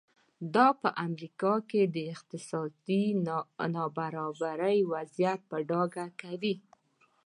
دا په امریکا کې د اقتصادي نابرابرۍ وضعیت په ډاګه کوي.